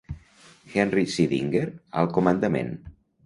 Henry C. Dinger al comandament.